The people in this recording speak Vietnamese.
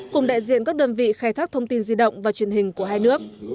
cùng đại diện các đơn vị khai thác thông tin di động và truyền hình của hai nước